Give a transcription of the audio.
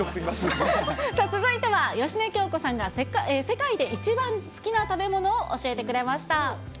続いては芳根京子さんが、世界で一番好きな食べ物を教えてくれました。